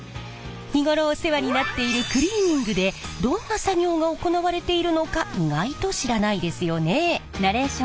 日頃お世話になっているクリーニングでどんな作業が行われているのか意外と知らないですよね？